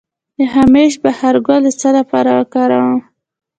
د همیش بهار ګل د څه لپاره وکاروم؟